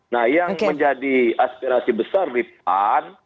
nah yang menjadi aspirasi besar di pan